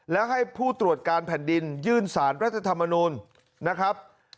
และให้ผู้ตรวจการแผ่นดินยื่นสารรัฐธรรมนูลนะครับ